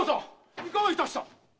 いかがいたした⁉